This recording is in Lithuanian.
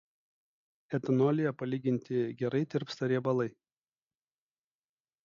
Etanolyje palyginti gerai tirpsta riebalai.